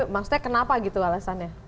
maksudnya kenapa gitu alasannya